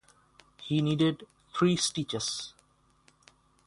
He needed three stitches.